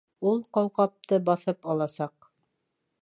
Ул ҡауҡабты баҫып аласаҡ.